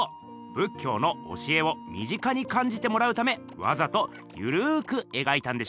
仏教の教えを身近に感じてもらうためわざとゆるくえがいたんでしょうね。